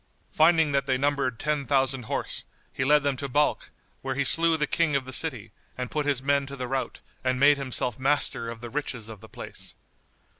Finding that they numbered ten thousand horse, he led them to Balkh, where he slew the King of the city and put his men to the rout and made himself master of the riches of the place.